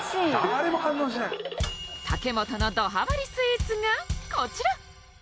武元のどハマりスイーツがこちら！